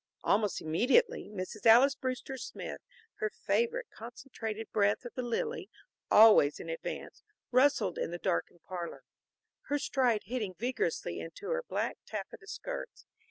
Almost immediately Mrs. Alys Brewster Smith, her favorite Concentrated Breath of the Lily always in advance, rustled into the darkened parlor, her stride hitting vigorously into her black taffeta skirts.